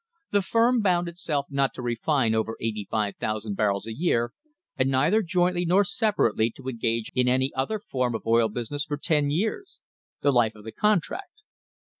The firm bound itself not to refine over 85,000 bar rels a year and neither jointly nor separately to engage in any other form of oil business for ten years — the life of the con tract.